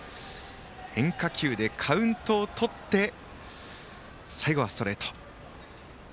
変化球でカウントをとって最後はストレート。